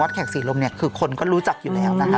วัดแขกศรีลมนี่คิดก็คนรู้จักอยู่แล้วนะคะ